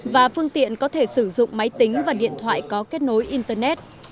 và phương tiện có thể sử dụng máy tính và điện thoại có kết nối internet